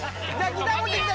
ギター持ってきて。